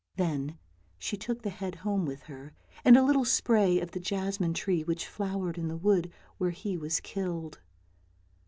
Then she took the head home with her and a little spray of the jasmine tree which flowered in the wood where he was killed.